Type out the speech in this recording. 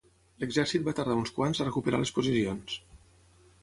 L'exèrcit va tardar uns quants a recuperar les posicions.